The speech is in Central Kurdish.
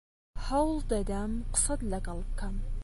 هەوڵ دەدەم قسەت لەگەڵ بکەم.